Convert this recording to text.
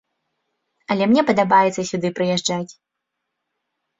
Але мне падабаецца сюды прыязджаць.